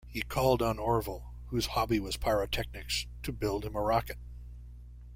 He called on Orville, whose hobby was pyrotechnics, to build him a rocket.